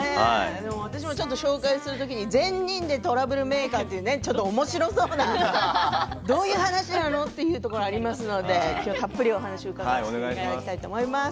私も紹介するときに善人でトラブルメーカーというおもしろそうなどういう話なのというところありますのできょうはたっぷりお話を伺いたいと思います。